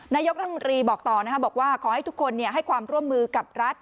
นายกรัฐมนตรีบอกต่อบอกว่าขอให้ทุกคนให้ความร่วมมือกับรัฐ